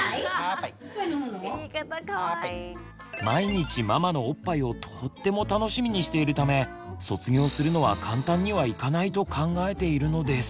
毎日ママのおっぱいをとっても楽しみにしているため卒業するのは簡単にはいかないと考えているのです。